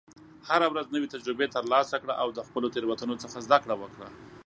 هره ورځ نوې تجربې ترلاسه کړه، او د خپلو تېروتنو څخه زده کړه وکړه.